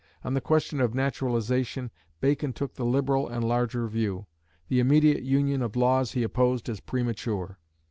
On the question of naturalisation Bacon took the liberal and larger view. The immediate union of laws he opposed as premature.